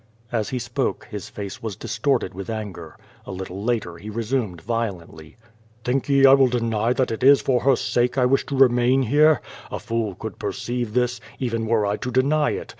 *' As he spoke, his face was distorted with anger. A little later lie resumed, violently : "Think ye I will deny that it is for her sake I wisli to. re main here? A fool could i>erceive this, even wore 1 to deny it.